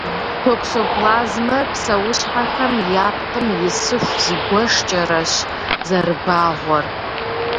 Токсоплазмэр псэущхьэхэм я пкъым исыху зигуэшкӏэрэщ зэрыбагъуэр.